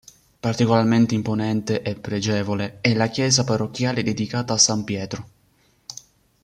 Particolarmente imponente e pregevole è la chiesa parrocchiale dedicata a San Pietro.